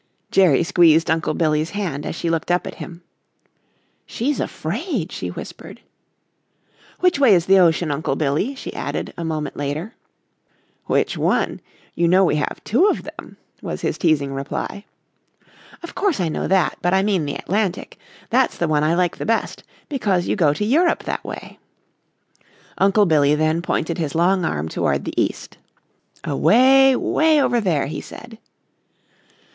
Jerry squeezed Uncle Billy's hand as she looked up at him. "She's afraid," she whispered. "Which way is the ocean, Uncle Billy?" she added, a moment later. "Which one you know we have two of them?" was his teasing reply. "Of course I know that, but I mean the Atlantic. That's the one I like the best because you go to Europe that way." Uncle Billy then pointed his long arm toward the east. "Away, way over there," he said.